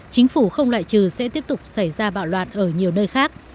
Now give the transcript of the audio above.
chính phủ không loại trừ sẽ tiếp tục xảy ra bạo loạn ở nhiều nơi khác